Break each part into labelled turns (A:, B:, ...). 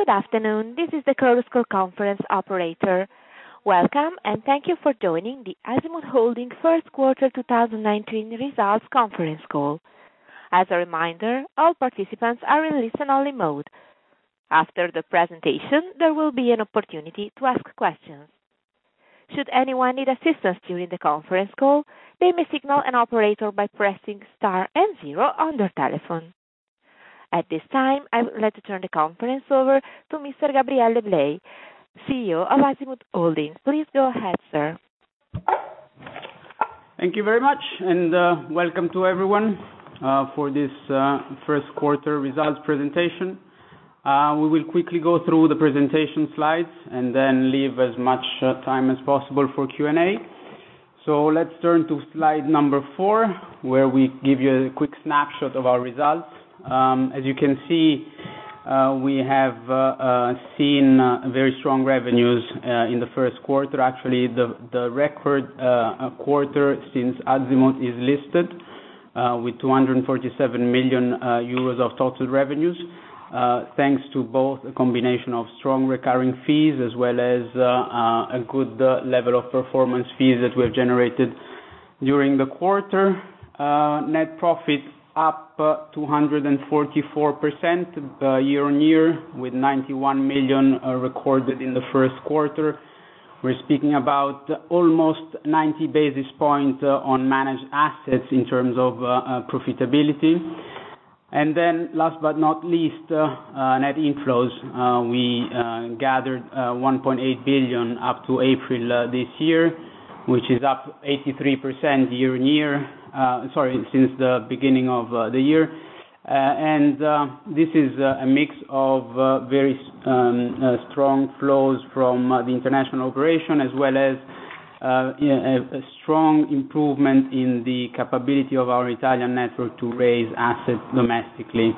A: Good afternoon. This is the Chorus Call conference operator. Welcome, and thank you for joining the Azimut Holding First Quarter 2019 Results Conference Call. As a reminder, all participants are in listen only mode. After the presentation, there will be an opportunity to ask questions. Should anyone need assistance during the conference call, they may signal an operator by pressing star and zero on their telephone. At this time, I would like to turn the conference over to Mr. Gabriele Blei, CEO of Azimut Holding. Please go ahead, sir.
B: Thank you very much, welcome to everyone for this first quarter results presentation. We will quickly go through the presentation slides and then leave as much time as possible for Q&A. Let's turn to slide number four, where we give you a quick snapshot of our results. As you can see, we have seen very strong revenues in the first quarter. Actually, the record quarter since Azimut is listed, with 247 million euros of total revenues. Thanks to both a combination of strong recurring fees as well as a good level of performance fees that we have generated during the quarter. Net profit up 244% year-on-year with 91 million recorded in the first quarter. We're speaking about almost 90 basis points on managed assets in terms of profitability. Last but not least, net inflows. We gathered 1.8 billion up to April this year, which is up 83% year-on-year. Sorry, since the beginning of the year. This is a mix of very strong flows from the international operation as well as a strong improvement in the capability of our Italian network to raise assets domestically.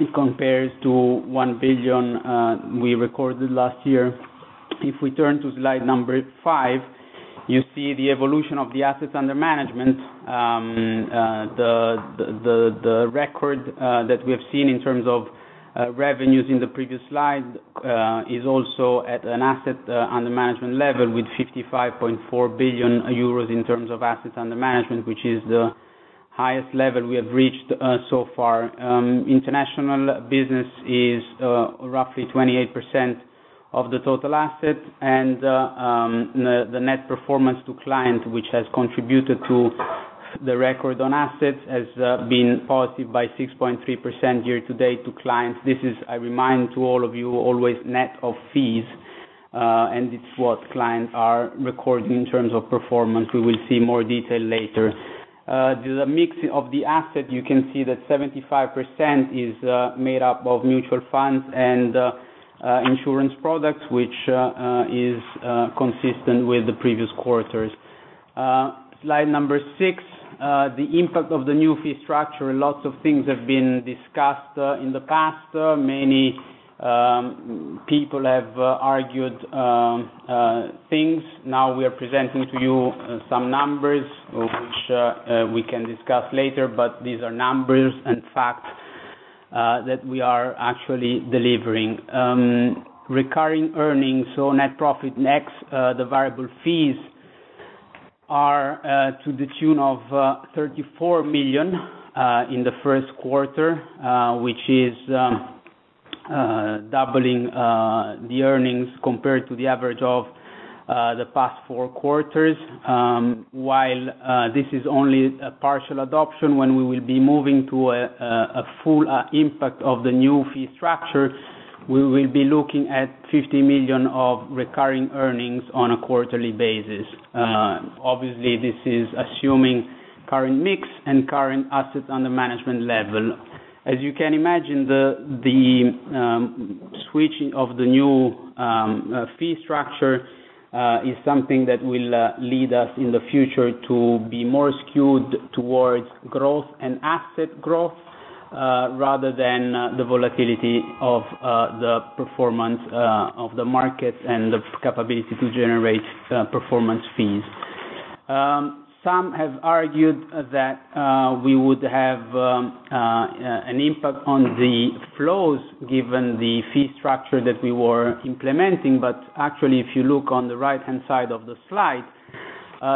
B: It compares to 1 billion we recorded last year. If we turn to slide number five, you see the evolution of the assets under management. The record that we have seen in terms of revenues in the previous slide, is also at an asset under management level with 55.4 billion euros in terms of assets under management, which is the highest level we have reached so far. International business is roughly 28% of the total asset and the net performance to client, which has contributed to the record on assets, has been positive by 6.3% year to date to clients. This is a reminder to all of you, always net of fees, and it's what clients are recording in terms of performance. We will see more detail later. The mix of the asset, you can see that 75% is made up of mutual funds and insurance products, which is consistent with the previous quarters. Slide number six, the impact of the new fee structure. Lots of things have been discussed in the past. Many people have argued things. Now we are presenting to you some numbers, which we can discuss later, but these are numbers and facts that we are actually delivering. Recurring earnings, net profit next. The variable fees are to the tune of 34 million in the first quarter, which is doubling the earnings compared to the average of the past four quarters. While this is only a partial adoption, when we will be moving to a full impact of the new fee structure, we will be looking at 50 million of recurring earnings on a quarterly basis. Obviously, this is assuming current mix and current assets under management level. As you can imagine, the switching of the new fee structure is something that will lead us in the future to be more skewed towards growth and asset growth, rather than the volatility of the performance of the markets and the capability to generate performance fees. Some have argued that we would have an impact on the flows given the fee structure that we were implementing. Actually, if you look on the right-hand side of the slide,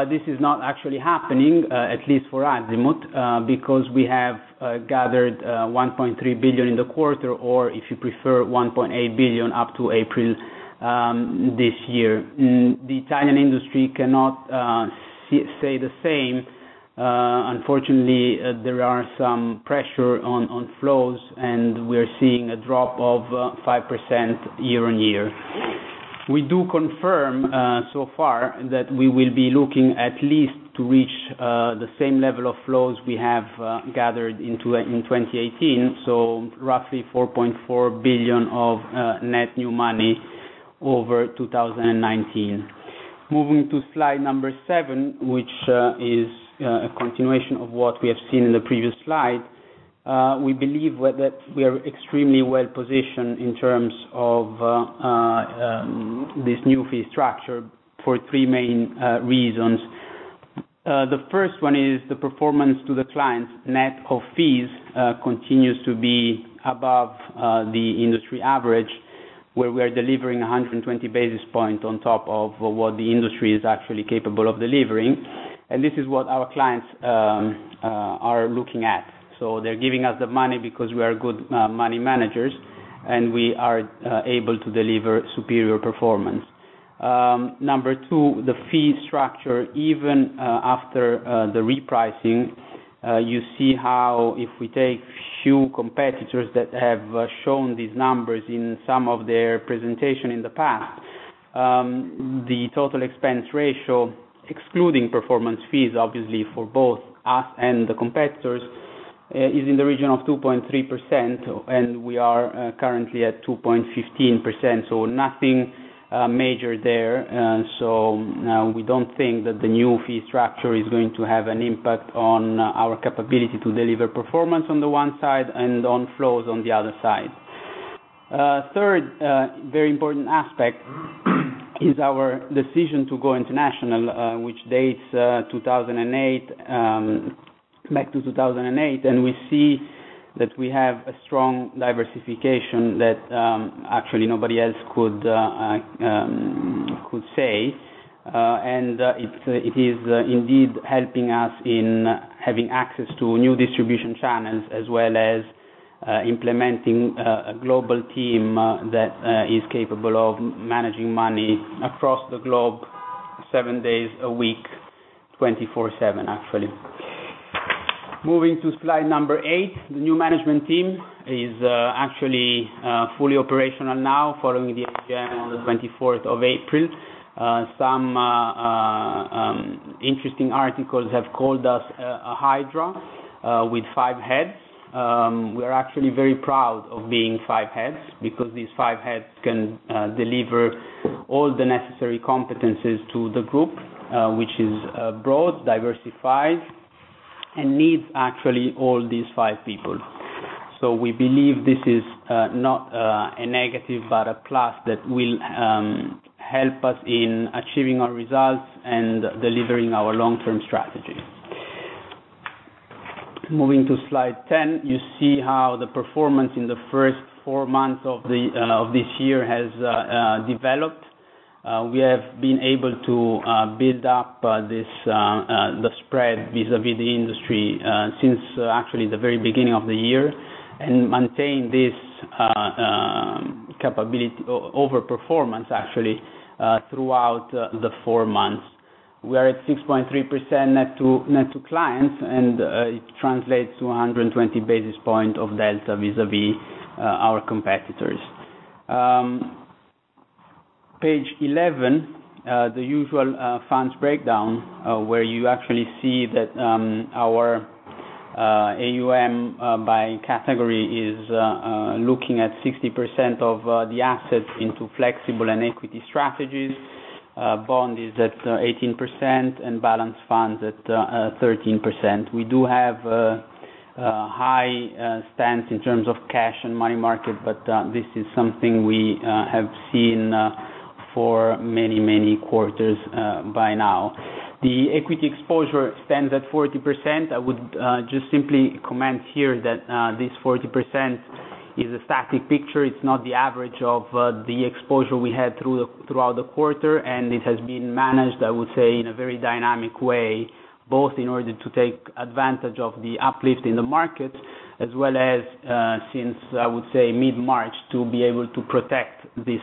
B: this is not actually happening, at least for Azimut, because we have gathered 1.3 billion in the quarter, or if you prefer, 1.8 billion up to April this year. The Italian industry cannot say the same. Unfortunately, there are some pressure on flows, and we are seeing a drop of 5% year-on-year. We do confirm so far that we will be looking at least to reach the same level of flows we have gathered in 2018, so roughly 4.4 billion of net new money over 2019. Moving to slide number seven, which is a continuation of what we have seen in the previous slide. We believe that we are extremely well-positioned in terms of this new fee structure for three main reasons. The first one is the performance to the clients. Net of fees continues to be above the industry average, where we are delivering 120 basis points on top of what the industry is actually capable of delivering. And this is what our clients are looking at. So they are giving us the money because we are good money managers, and we are able to deliver superior performance. Number two, the fee structure, even after the repricing, you see how if we take few competitors that have shown these numbers in some of their presentation in the past, the total expense ratio, excluding performance fees, obviously for both us and the competitors, is in the region of 2.3%, and we are currently at 2.15%, so nothing major there. So we do not think that the new fee structure is going to have an impact on our capability to deliver performance on the one side, and on flows on the other side. Third very important aspect is our decision to go international, which dates back to 2008, and we see that we have a strong diversification that actually nobody else could say. And it is indeed helping us in having access to new distribution channels as well as implementing a global team that is capable of managing money across the globe seven days a week, 24/7 actually. Moving to slide number eight, the new management team is actually fully operational now following the AGM on the 24th of April. Some interesting articles have called us a hydra with five heads. We are actually very proud of being five heads, because these five heads can deliver all the necessary competencies to the group, which is broad, diversified, and needs actually all these five people. We believe this is not a negative, but a plus that will help us in achieving our results and delivering our long-term strategy. Moving to slide 10, you see how the performance in the first 4 months of this year has developed. We have been able to build up the spread vis-a-vis the industry, since actually the very beginning of the year, and maintain this over-performance actually, throughout the 4 months. We are at 6.3% net to clients, and it translates to 120 basis points of delta vis-a-vis our competitors. Page 11, the usual funds breakdown, where you actually see that our AUM by category is looking at 60% of the assets into flexible and equity strategies. Bond is at 18% and balance funds at 13%. We do have a high stance in terms of cash and money market, but this is something we have seen for many quarters by now. The equity exposure stands at 40%. I would just simply comment here that this 40% is a static picture. It's not the average of the exposure we had throughout the quarter, and it has been managed, I would say, in a very dynamic way, both in order to take advantage of the uplift in the market, as well as, since I would say mid-March, to be able to protect this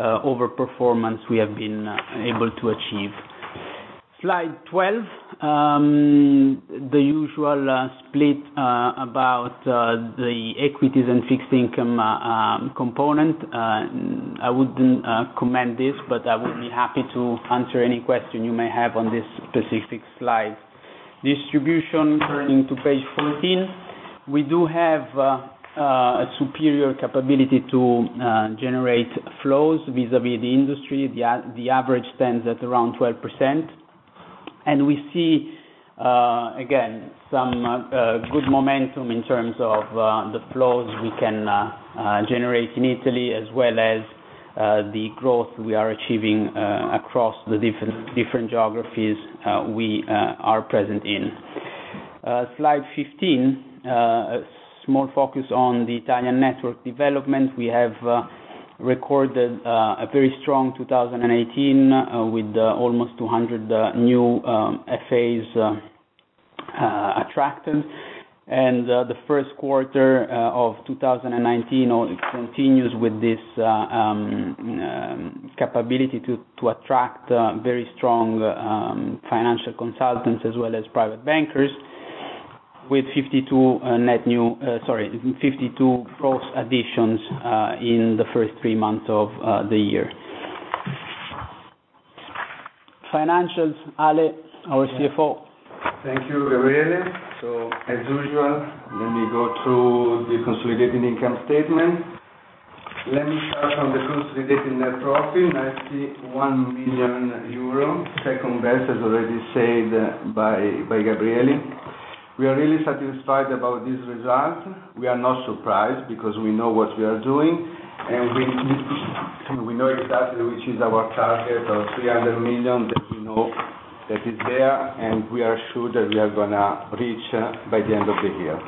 B: over-performance we have been able to achieve. Slide 12, the usual split about the equities and fixed income component. I wouldn't comment this, but I would be happy to answer any question you may have on this specific slide. Distribution, turning to page 14. We do have a superior capability to generate flows vis-a-vis the industry. The average stands at around 12%. And we see, again, some good momentum in terms of the flows we can generate in Italy, as well as the growth we are achieving across the different geographies we are present in. Slide 15, a small focus on the Italian network development. We have recorded a very strong 2018 with almost 200 new FAs attracted. And the first quarter of 2019 continues with this capability to attract very strong financial consultants as well as private bankers with 52 gross additions in the first three months of the year. Financials, Ale, our CFO.
C: Thank you, Gabriele. As usual, let me go through the consolidated income statement. Let me start on the consolidated net profit, 91 million euro, second best as already said by Gabriele. We are really satisfied about these results. We are not surprised because we know what we are doing, and we know exactly which is our target of 300 million that we know that is there, and we are sure that we are going to reach by the end of the year.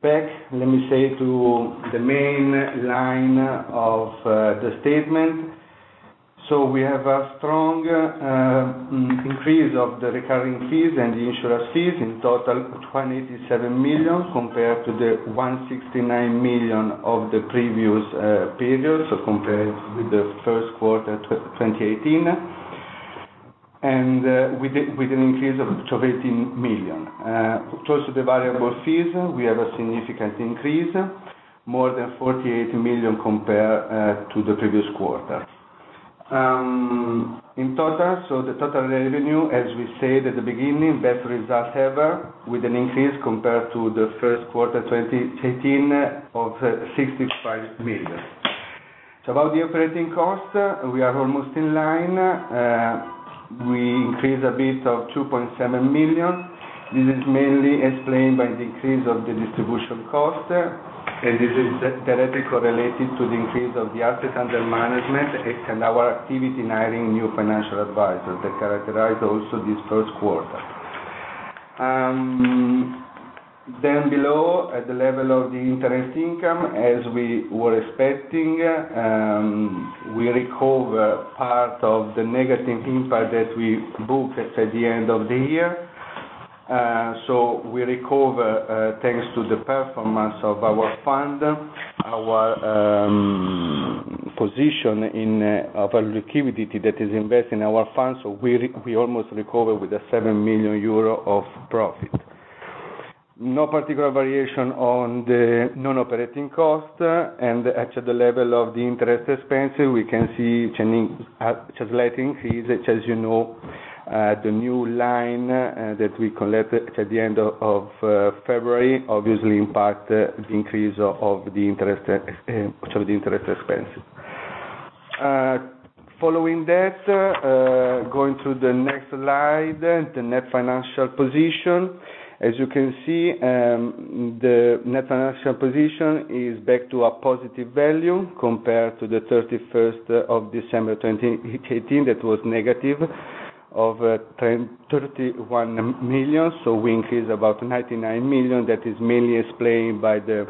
C: Back to the main line of the statement. We have a strong increase of the recurring fees and the insurance fees, in total, 27 million compared to the 169 million of the previous period. Compared with the first quarter 2018. And with an increase of 18 million. Close to the variable fees, we have a significant increase, more than 48 million compared to the previous quarter. In total, the total revenue, as we said at the beginning, best result ever, with an increase compared to the first quarter 2018 of 65 million. About the operating cost, we are almost in line. We increase a bit of 2.7 million. This is mainly explained by the increase of the distribution cost, and this is directly correlated to the increase of the assets under management and our activity in hiring new Financial Advisors that characterize also this first quarter. Below, at the level of the interest income, as we were expecting, we recover part of the negative impact that we booked at the end of the year. We recover, thanks to the performance of our fund, our position in availability that is invested in our fund. We almost recover with 7 million euro of profit. No particular variation on the non-operating cost, and at the level of the interest expense, we can see trailing fees, as you know, the new line that we collect at the end of February obviously impact the increase of the interest expense. Following that, going to the next slide, the net financial position. As you can see, the net financial position is back to a positive value compared to the 31st of December 2018, that was negative of 31 million. We increase about 99 million. That is mainly explained by the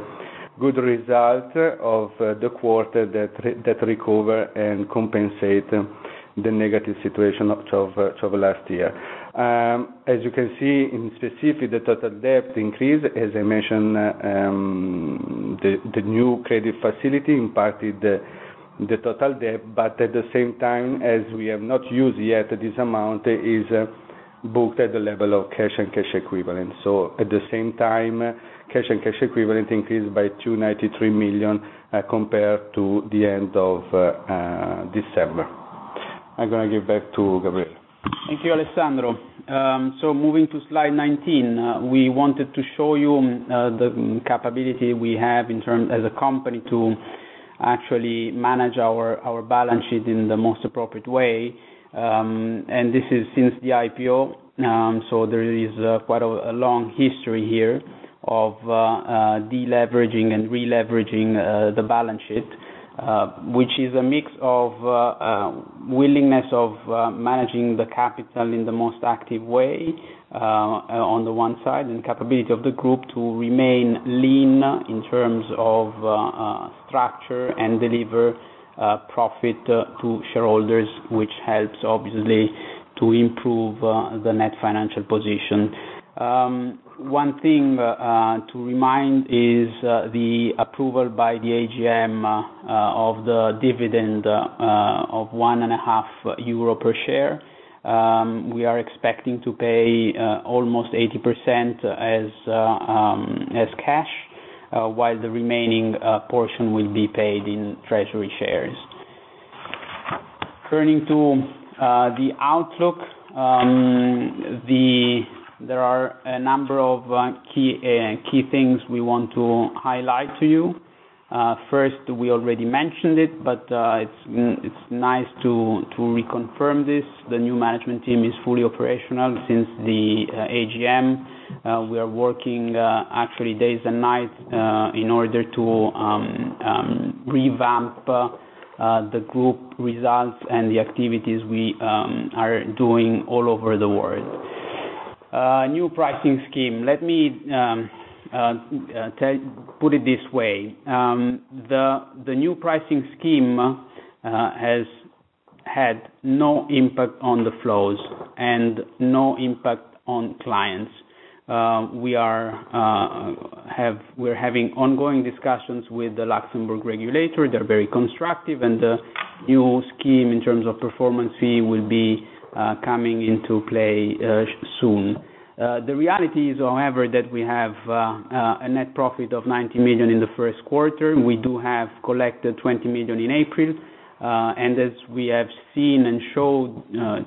C: good result of the quarter that recover and compensate the negative situation of last year. As you can see in specific, the total debt increase. As I mentioned, the new credit facility impacted the total debt, but at the same time, as we have not used yet, this amount is booked at the level of cash and cash equivalent. At the same time, cash and cash equivalent increased by 293 million compared to the end of December. I'm going to give back to Gabriele.
B: Thank you, Alessandro. Moving to slide 19. We wanted to show you the capability we have as a company to actually manage our balance sheet in the most appropriate way. This is since the IPO, there is quite a long history here of de-leveraging and re-leveraging the balance sheet, which is a mix of willingness of managing the capital in the most active way on the one side, and capability of the group to remain lean in terms of structure and deliver profit to shareholders, which helps obviously to improve the net financial position. One thing to remind is the approval by the AGM of the dividend of 1.5 euro per share. We are expecting to pay almost 80% as cash, while the remaining portion will be paid in treasury shares. Turning to the outlook. There are a number of key things we want to highlight to you. We already mentioned it, but it is nice to reconfirm this. The new management team is fully operational since the AGM. We are working actually days and night, in order to revamp the group results and the activities we are doing all over the world. New pricing scheme. Let me put it this way. The new pricing scheme has had no impact on the flows and no impact on clients. We are having ongoing discussions with the Luxembourg regulator. They are very constructive. The new scheme in terms of performance fee will be coming into play soon. The reality is, however, that we have a net profit of 90 million in the first quarter. We do have collected 20 million in April. As we have seen and showed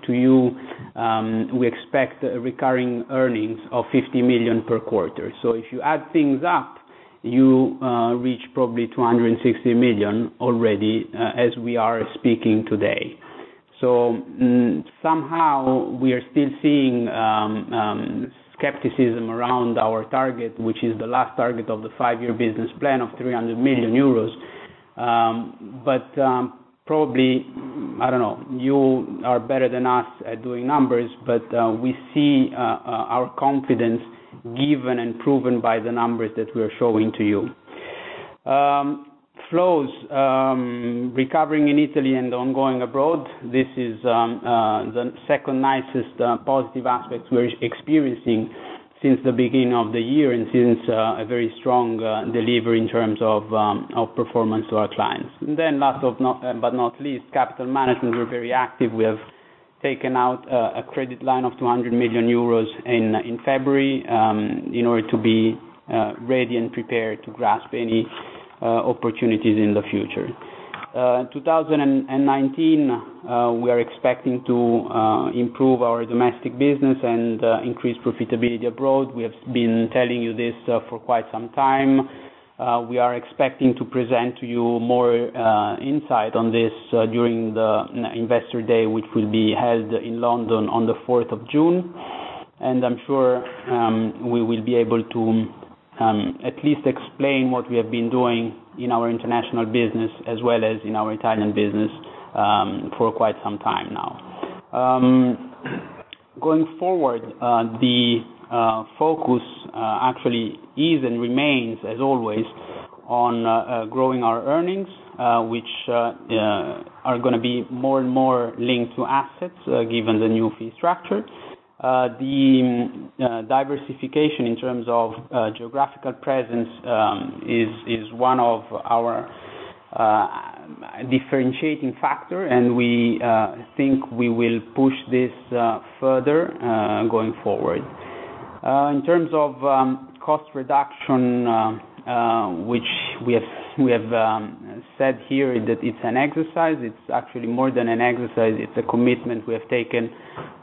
B: to you, we expect recurring earnings of 50 million per quarter. If you add things up, you reach probably 260 million already as we are speaking today. Somehow we are still seeing skepticism around our target, which is the last target of the five-year business plan of 300 million euros. Probably, I do not know, you are better than us at doing numbers. We see our confidence given and proven by the numbers that we are showing to you. Flows, recovering in Italy and ongoing abroad. This is the second-nicest positive aspect we are experiencing since the beginning of the year and since a very strong delivery in terms of performance to our clients. Last but not least, capital management. We are very active. We have taken out a credit line of 200 million euros in February, in order to be ready and prepared to grasp any opportunities in the future. 2019, we are expecting to improve our domestic business and increase profitability abroad. We have been telling you this for quite some time. We are expecting to present to you more insight on this during the Investor Day, which will be held in London on the 4th of June. I am sure we will be able to at least explain what we have been doing in our international business as well as in our Italian business, for quite some time now. Going forward, the focus actually is and remains, as always, on growing our earnings, which are going to be more and more linked to assets given the new fee structure. The diversification in terms of geographical presence is one of our differentiating factor. We think we will push this further, going forward. In terms of cost reduction, which we have said here that it is an exercise. It is actually more than an exercise. It is a commitment we have taken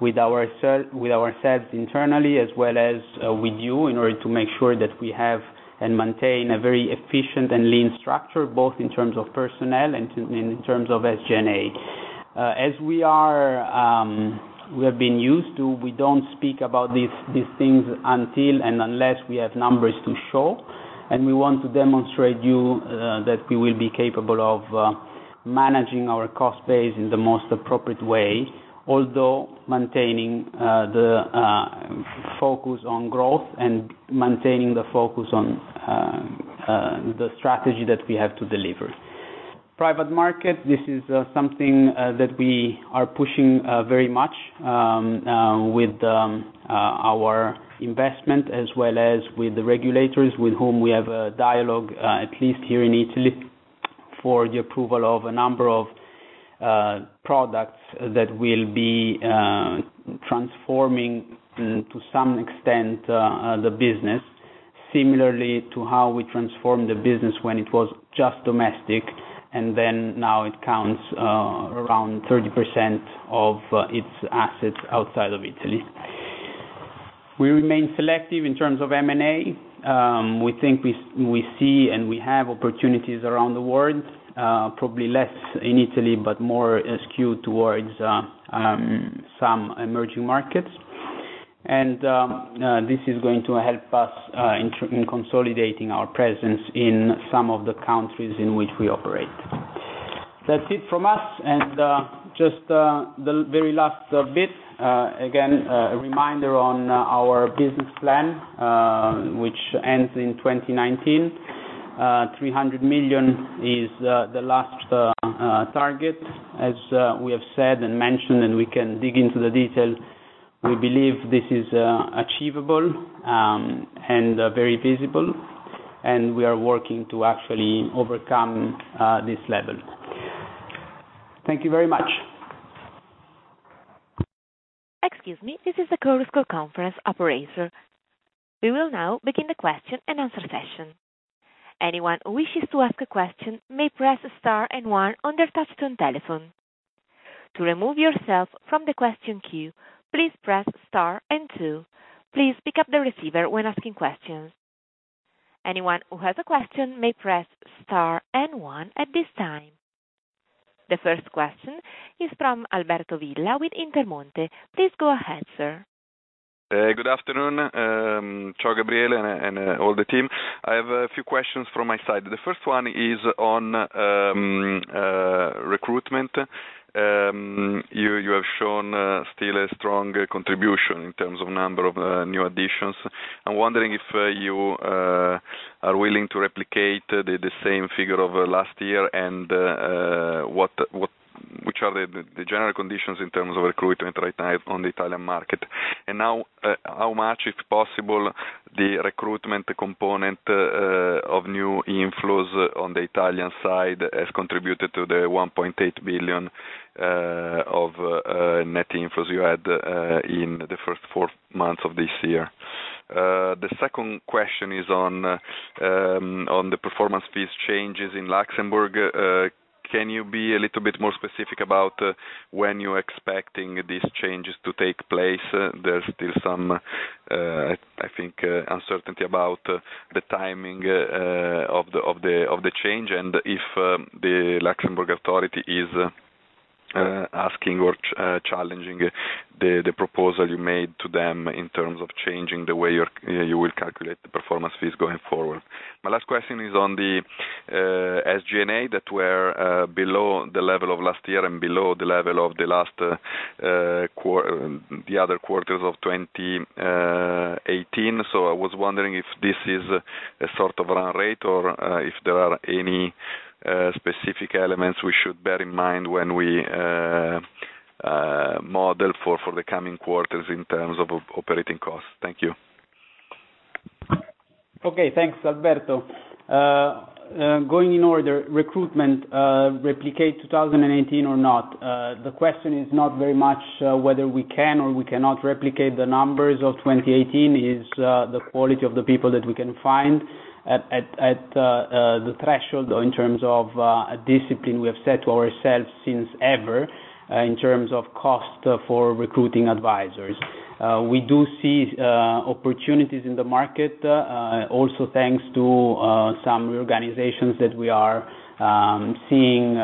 B: with ourselves internally as well as with you in order to make sure that we have and maintain a very efficient and lean structure, both in terms of personnel and in terms of SG&A. As we have been used to, we do not speak about these things until and unless we have numbers to show. We want to demonstrate you that we will be capable of managing our cost base in the most appropriate way, although maintaining the focus on growth and maintaining the focus on the strategy that we have to deliver. Private market, this is something that we are pushing very much with our investment as well as with the regulators with whom we have a dialogue, at least here in Italy, for the approval of a number of products that will be transforming to some extent, the business similarly to how we transformed the business when it was just domestic. Now it counts around 30% of its assets outside of Italy. We remain selective in terms of M&A. We think we see and we have opportunities around the world. More probably less in Italy, but more skewed towards some emerging markets. This is going to help us in consolidating our presence in some of the countries in which we operate. That's it from us. Just the very last bit. Again, a reminder on our business plan, which ends in 2019. 300 million is the last target, as we have said and mentioned. We can dig into the details. We believe this is achievable and very visible. We are working to actually overcome this level. Thank you very much.
A: Excuse me, this is the Chorus Call Conference operator. We will now begin the question and answer session. Anyone who wishes to ask a question may press star and one on their touch-tone telephone. To remove yourself from the question queue, please press star and two. Please pick up the receiver when asking questions. Anyone who has a question may press star and one at this time. The first question is from Alberto Villa with Intermonte. Please go ahead, sir.
D: Good afternoon. Ciao, Gabriele, all the team. I have a few questions from my side. The first one is on recruitment. You have shown still a strong contribution in terms of number of new additions. I'm wondering if you are willing to replicate the same figure of last year. Which are the general conditions in terms of recruitment right now on the Italian market? Now, how much, if possible, the recruitment component of new inflows on the Italian side has contributed to the 1.8 billion of net inflows you had in the first four months of this year? The second question is on the performance fees changes in Luxembourg. Can you be a little bit more specific about when you're expecting these changes to take place? There is still some, I think, uncertainty about the timing of the change, and if the Luxembourg authority is asking or challenging the proposal you made to them in terms of changing the way you will calculate the performance fees going forward. My last question is on the SG&A that were below the level of last year and below the level of the other quarters of 2018. I was wondering if this is a sort of run rate or if there are any specific elements we should bear in mind when we model for the coming quarters in terms of operating costs. Thank you.
B: Okay. Thanks, Alberto. Going in order, recruitment replicate 2018 or not. The question is not very much whether we can or we cannot replicate the numbers of 2018, it is the quality of the people that we can find at the threshold or in terms of discipline we have set to ourselves since ever in terms of cost for recruiting advisors. We do see opportunities in the market. Also, thanks to some reorganizations that we are seeing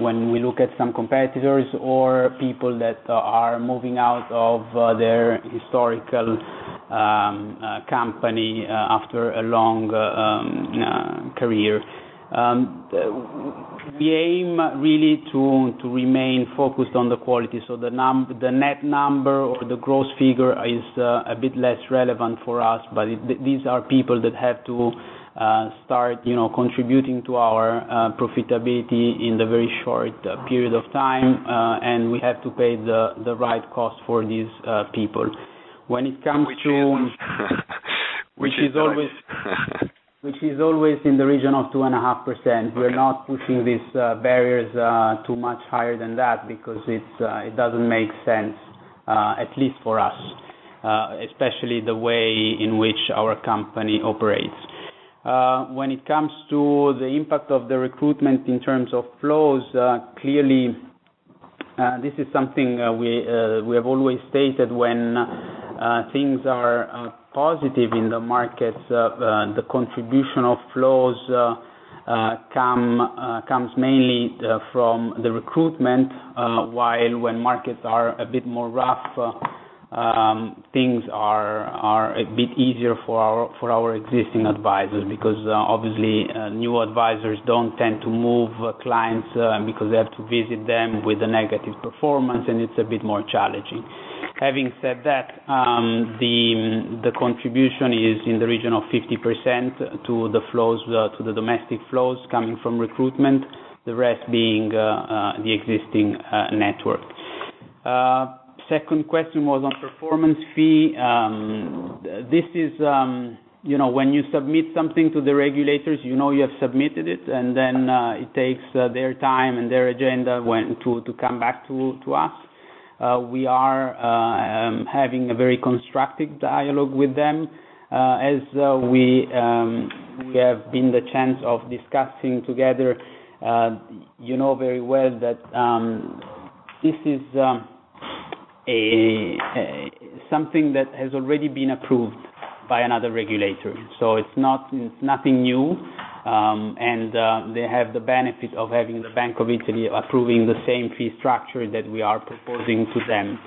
B: when we look at some competitors or people that are moving out of their historical company after a long career. We aim really to remain focused on the quality, so the net number or the gross figure is a bit less relevant for us, but these are people that have to start contributing to our profitability in the very short period of time. We have to pay the right cost for these people. Which is always in the region of 2.5%. We are not pushing these barriers too much higher than that because it does not make sense, at least for us, especially the way in which our company operates. When it comes to the impact of the recruitment in terms of flows, clearly, this is something we have always stated when things are positive in the markets, the contribution of flows comes mainly from the recruitment. While when markets are a bit more rough, things are a bit easier for our existing advisors, because obviously, new advisors do not tend to move clients, because they have to visit them with a negative performance, and it is a bit more challenging. Having said that, the contribution is in the region of 50% to the domestic flows coming from recruitment, the rest being the existing network. Second question was on performance fee. When you submit something to the regulators, you know you have submitted it, and then it takes their time and their agenda to come back to us. We are having a very constructive dialogue with them. As we have been the chance of discussing together, you know very well that this is something that has already been approved by another regulator, so it is nothing new. They have the benefit of having the Bank of Italy approving the same fee structure that we are proposing to them.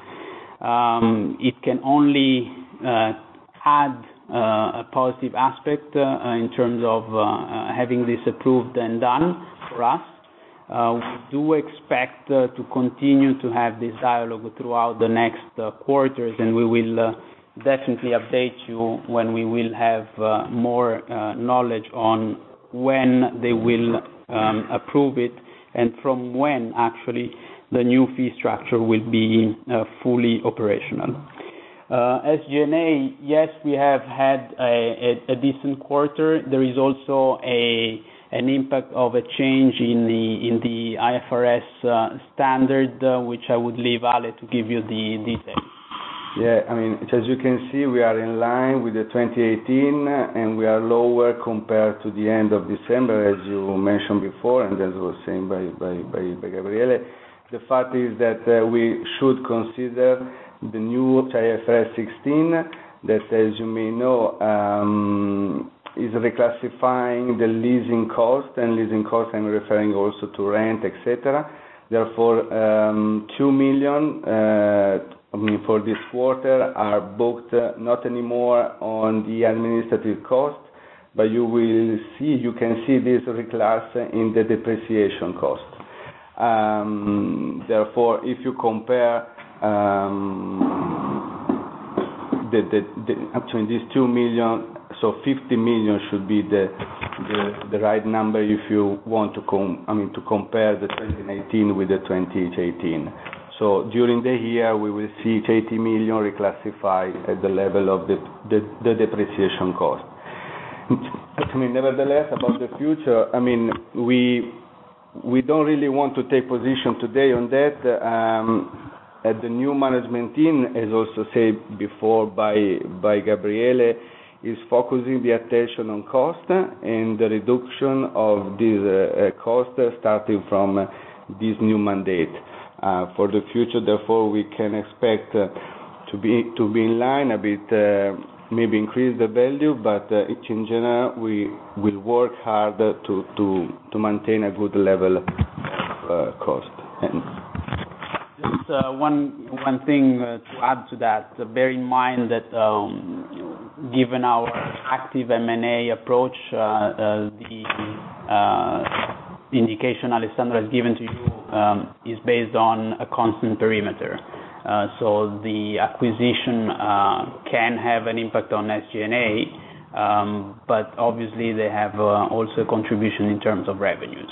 B: It can only add a positive aspect in terms of having this approved and done for us. We do expect to continue to have this dialogue throughout the next quarters. We will definitely update you when we will have more knowledge on when they will approve it, and from when actually the new fee structure will be fully operational. SG&A, yes, we have had a decent quarter. There is also an impact of a change in the IFRS standard, which I would leave Ale to give you the details.
C: As you can see, we are in line with the 2018. We are lower compared to the end of December, as you mentioned before, as it was said by Gabriele. The fact is that we should consider the new IFRS 16 that, as you may know, is reclassifying the leasing cost. Leasing cost, I'm referring also to rent, et cetera. Therefore, 2 million for this quarter are booked, not anymore on the administrative cost, but you can see this reclass in the depreciation cost. Therefore, if you compare between these 2 million, 50 million should be the right number if you want to compare the 2019 with the 2018. During the year, we will see 80 million reclassified at the level of the depreciation cost. Nevertheless, about the future, we don't really want to take position today on that. The new management team, as also said before by Gabriele, is focusing the attention on cost and the reduction of these costs starting from this new mandate. For the future, therefore, we can expect to be in line a bit, maybe increase the value, in general, we will work harder to maintain a good level of cost.
B: Just one thing to add to that, bear in mind that given our active M&A approach, the indication Alessandro has given to you is based on a constant perimeter. The acquisition can have an impact on SG&A, obviously, they have also a contribution in terms of revenues.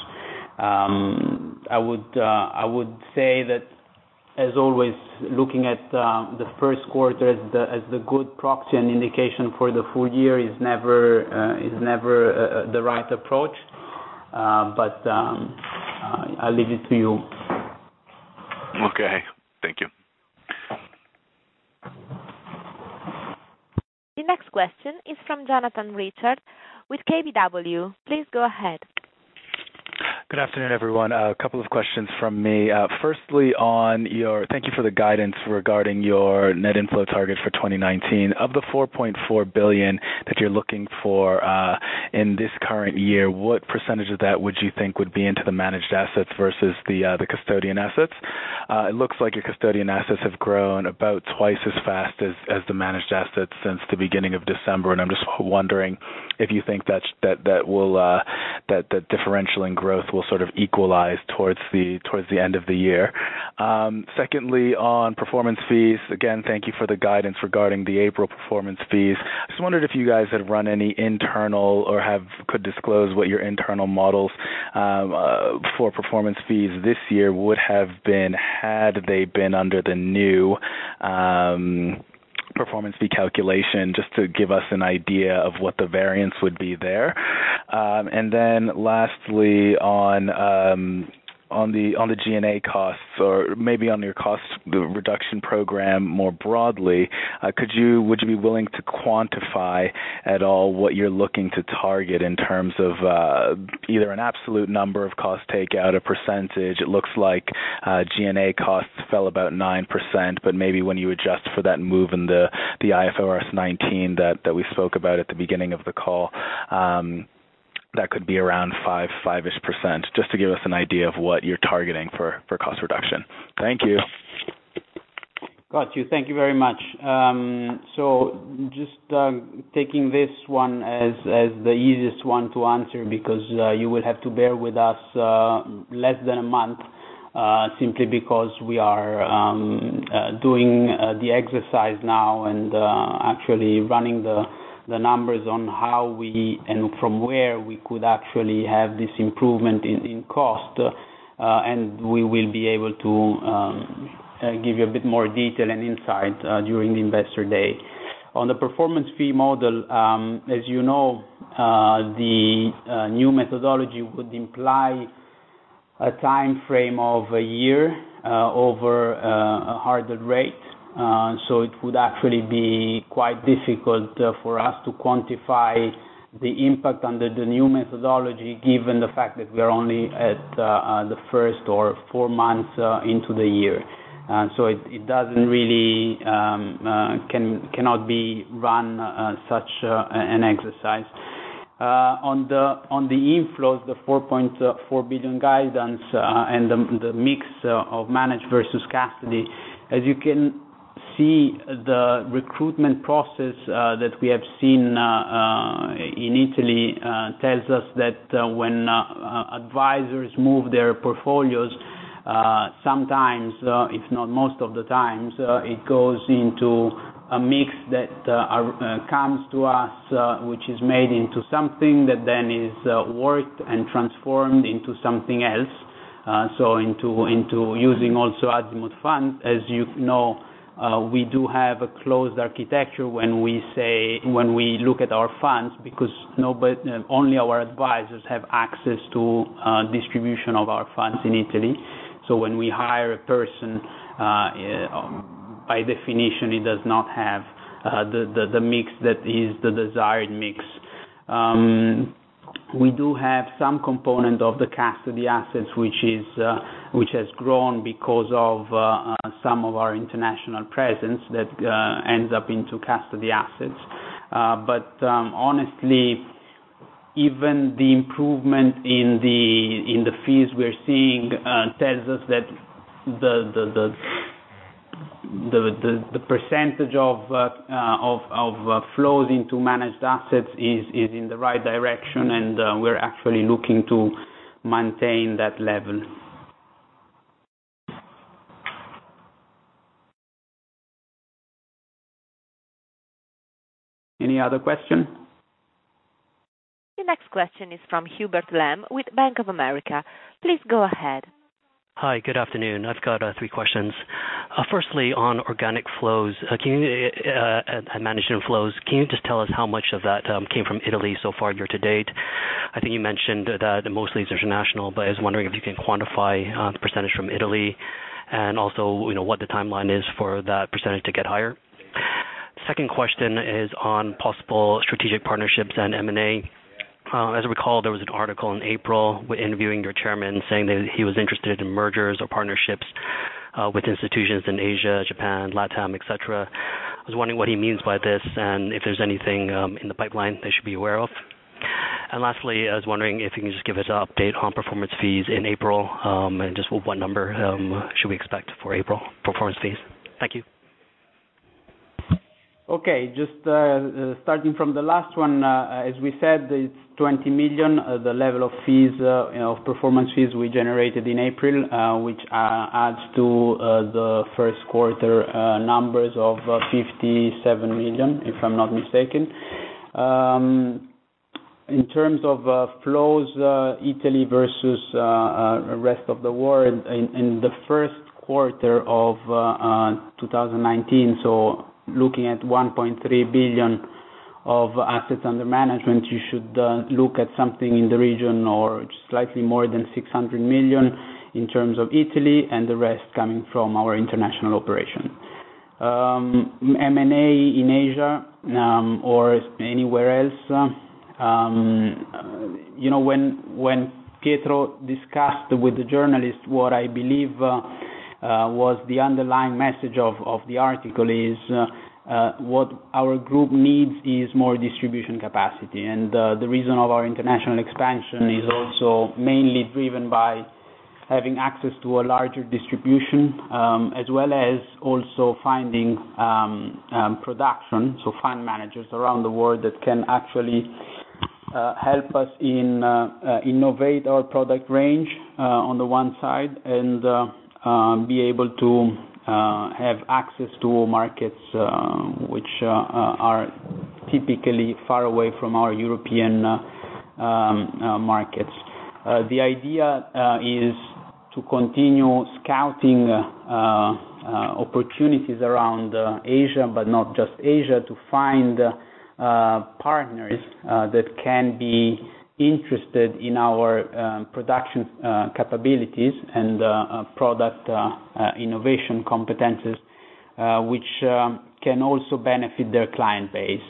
B: I would say that as always, looking at the first quarter as the good proxy and indication for the full year is never the right approach. I leave it to you.
D: Okay. Thank you.
A: The next question is from Jonathan Richard with KBW. Please go ahead.
E: Good afternoon, everyone. A couple of questions from me. Firstly, thank you for the guidance regarding your net inflow target for 2019. Of the 4.4 billion that you're looking for in this current year, what percentage of that would you think would be into the managed assets versus the custodian assets? It looks like your custodian assets have grown about twice as fast as the managed assets since the beginning of December, and I'm just wondering if you think that differential in growth will sort of equalize towards the end of the year. Secondly, on performance fees. Again, thank you for the guidance regarding the April performance fees. I just wondered if you guys had run any internal or could disclose what your internal models for performance fees this year would have been had they been under the new performance fee calculation, just to give us an idea of what the variance would be there. Lastly, on the G&A costs or maybe on your cost reduction program more broadly, would you be willing to quantify at all what you're looking to target in terms of either an absolute number of cost takeout, a percentage? It looks like G&A costs fell about 9%, but maybe when you adjust for that move in the IFRS 16 that we spoke about at the beginning of the call, that could be around 5%-ish, just to give us an idea of what you're targeting for cost reduction. Thank you.
B: Got you. Thank you very much. Just taking this one as the easiest one to answer, because you will have to bear with us less than a month, simply because we are doing the exercise now and actually running the numbers on how we, and from where we could actually have this improvement in cost. We will be able to give you a bit more detail and insight during the investor day. On the performance fee model, as you know, the new methodology would imply a timeframe of a year over a hurdle rate. It would actually be quite difficult for us to quantify the impact under the new methodology, given the fact that we're only at the first or four months into the year. It doesn't really cannot be run such an exercise. On the inflows, the 4.4 billion guidance, and the mix of managed versus custody, as you can see, the recruitment process that we have seen in Italy tells us that when advisors move their portfolios, sometimes, if not most of the times, it goes into a mix that comes to us, which is made into something that then is worked and transformed into something else. Into using also Azimut Fund. As you know, we do have a closed architecture when we look at our funds because only our advisors have access to distribution of our funds in Italy. When we hire a person, by definition, it does not have the mix that is the desired mix. We do have some component of the custody assets, which has grown because of some of our international presence that ends up into custody assets. Honestly, even the improvement in the fees we're seeing tells us that the percentage of flows into managed assets is in the right direction, and we're actually looking to maintain that level. Any other question?
A: The next question is from Hubert Lam with Bank of America. Please go ahead.
F: Hi. Good afternoon. I've got three questions. Firstly, on organic flows and management flows, can you just tell us how much of that came from Italy so far year to date? I think you mentioned that mostly it's international, but I was wondering if you can quantify the percentage from Italy, and also what the timeline is for that percentage to get higher. Second question is on possible strategic partnerships and M&A. As I recall, there was an article in April interviewing your Chairman saying that he was interested in mergers or partnerships with institutions in Asia, Japan, LATAM, et cetera. I was wondering what he means by this, and if there's anything in the pipeline they should be aware of. Lastly, I was wondering if you can just give us an update on performance fees in April, and just what number should we expect for April performance fees. Thank you.
B: Okay. Just starting from the last one. As we said, it's 20 million, the level of performance fees we generated in April, which adds to the first quarter numbers of 57 million, if I'm not mistaken. In terms of flows, Italy versus rest of the world, in the first quarter of 2019, looking at 1.3 billion of assets under management, you should look at something in the region or slightly more than 600 million in terms of Italy and the rest coming from our international operation. M&A in Asia, or anywhere else. When Pietro discussed with the journalist, what I believe was the underlying message of the article is, what our group needs is more distribution capacity. The reason of our international expansion is also mainly driven by having access to a larger distribution, as well as also finding production, fund managers around the world that can actually help us innovate our product range on the one side, and be able to have access to all markets, which are typically far away from our European markets. The idea is to continue scouting opportunities around Asia, but not just Asia, to find partners that can be interested in our production capabilities and product innovation competencies, which can also benefit their client base.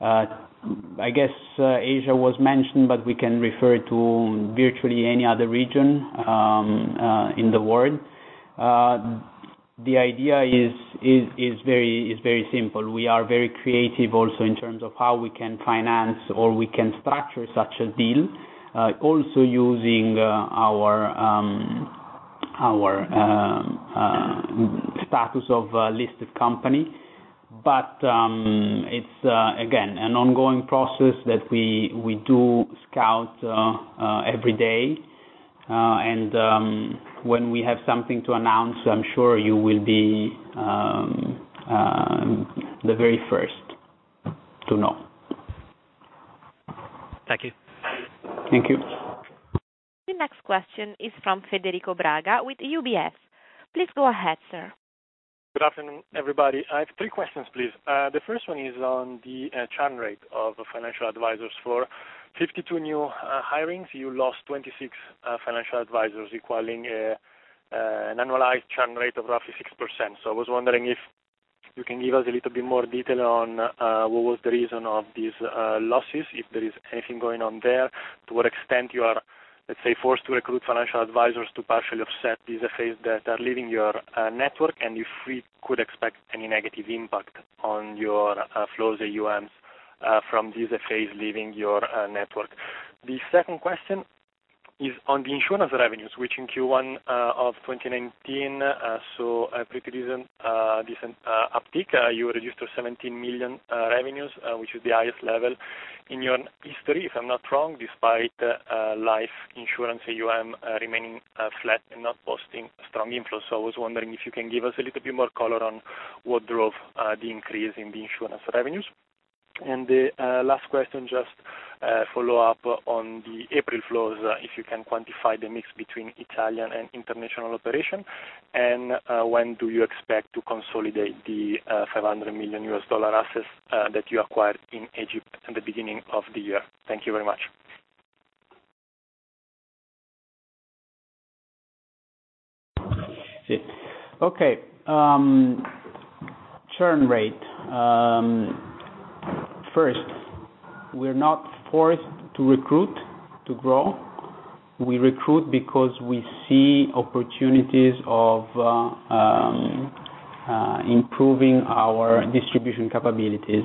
B: I guess Asia was mentioned, we can refer to virtually any other region in the world. The idea is very simple. We are very creative also in terms of how we can finance or we can structure such a deal. Also using our status of a listed company. It's, again, an ongoing process that we do scout every day. When we have something to announce, I'm sure you will be the very first to know.
F: Thank you.
B: Thank you.
A: The next question is from Federico Braga with UBS. Please go ahead, sir.
G: Good afternoon, everybody. I have three questions, please. The first one is on the churn rate of Financial Advisors. For 52 new hirings, you lost 26 Financial Advisors, equaling an annualized churn rate of roughly 6%. I was wondering if you can give us a little bit more detail on what was the reason of these losses, if there is anything going on there, to what extent you are, let's say, forced to recruit Financial Advisors to partially offset these FAs that are leaving your network, and if we could expect any negative impact on your flows AUM from these FAs leaving your network. The second question is on the insurance revenues, which in Q1 of 2019 saw a pretty decent uptick. You registered 17 million revenues, which is the highest level in your history, if I'm not wrong, despite life insurance AUM remaining flat and not posting strong inflows. I was wondering if you can give us a little bit more color on what drove the increase in the insurance revenues. The last question, just a follow-up on the April flows, if you can quantify the mix between Italian and international operation. When do you expect to consolidate the EUR 500 million assets that you acquired in Egypt in the beginning of the year? Thank you very much.
B: Okay. Churn rate. First, we're not forced to recruit to grow. We recruit because we see opportunities of improving our distribution capabilities.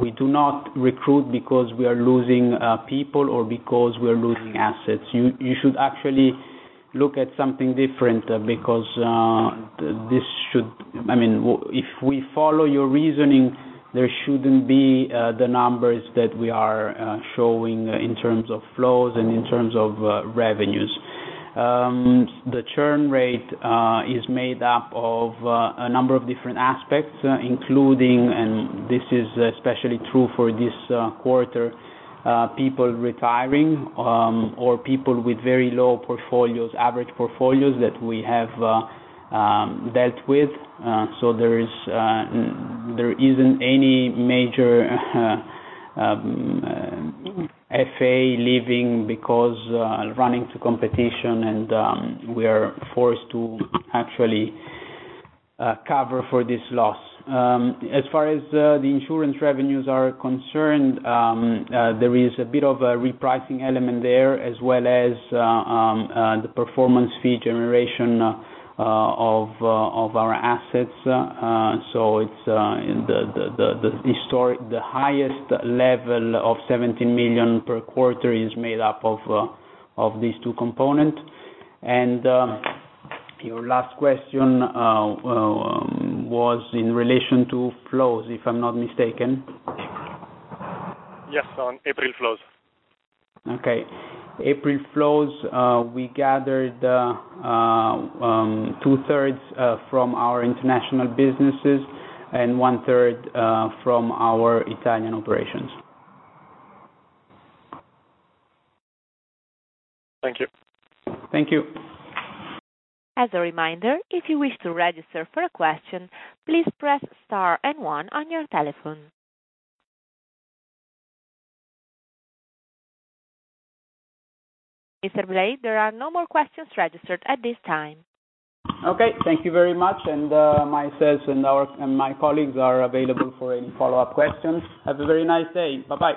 B: We do not recruit because we are losing people or because we're losing assets. You should actually look at something different, because if we follow your reasoning, there shouldn't be the numbers that we are showing in terms of flows and in terms of revenues. The churn rate is made up of a number of different aspects, including, and this is especially true for this quarter, people retiring, or people with very low portfolios, average portfolios that we have dealt with. There isn't any major FA leaving because running to competition and we are forced to actually cover for this loss. As far as the insurance revenues are concerned, there is a bit of a repricing element there, as well as the performance fee generation of our assets. It's the highest level of 17 million per quarter is made up of these two component. Your last question was in relation to flows, if I'm not mistaken.
G: Yes. On April flows.
B: Okay. April flows, we gathered two-thirds from our international businesses and one-third from our Italian operations.
G: Thank you.
B: Thank you.
A: As a reminder, if you wish to register for a question, please press star and one on your telephone. Mr. Blei, there are no more questions registered at this time.
B: Okay. Thank you very much. Myself and my colleagues are available for any follow-up questions. Have a very nice day. Bye-bye.